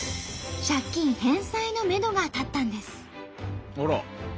借金返済のめどが立ったんです。